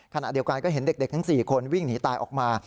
ขณะเดียวกันก็เห็นเด็กทั้ง๔คนวิ่งหนีตายออกมา